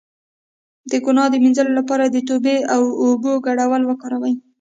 د ګناه د مینځلو لپاره د توبې او اوبو ګډول وکاروئ